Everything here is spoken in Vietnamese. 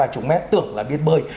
hai ba chục mét tưởng là biết bơi